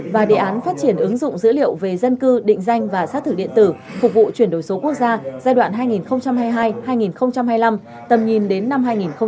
và đề án phát triển ứng dụng dữ liệu về dân cư định danh và xác thử điện tử phục vụ chuyển đổi số quốc gia giai đoạn hai nghìn hai mươi hai hai nghìn hai mươi năm tầm nhìn đến năm hai nghìn ba mươi